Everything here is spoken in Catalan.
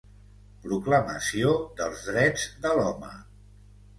Proclamació dels drets de l'home.